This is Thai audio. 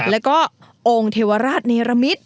แล้วก็องค์เทวราชเนรมิต